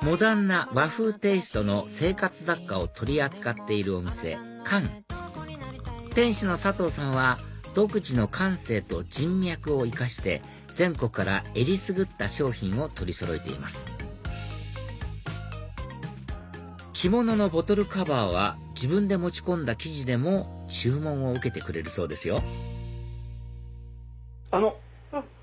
モダンな和風テイストの生活雑貨を取り扱っているお店環店主の佐藤さんは独自の感性と人脈を生かして全国からえりすぐった商品を取りそろえています着物のボトルカバーは自分で持ち込んだ生地でも注文を受けてくれるそうですよあの。